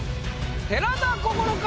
寺田心か？